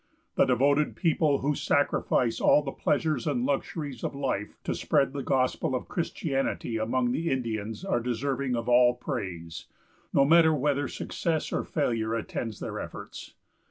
The devoted people who sacrifice all the pleasures and luxuries of life to spread the gospel of Christianity among the Indians are deserving of all praise, no matter whether success or failure attends their efforts.